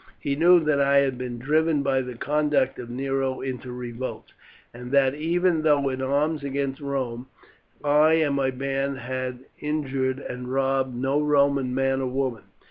He knew that I had been driven by the conduct of Nero into revolt, and that, even though in arms against Rome, I and my band had injured and robbed no Roman man or woman.